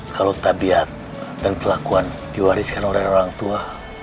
kalau tabiat dan kelakuan diwariskan oleh orang tua